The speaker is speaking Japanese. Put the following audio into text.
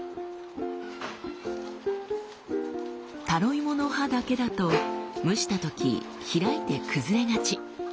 タロイモの葉だけだと蒸したとき開いて崩れがち。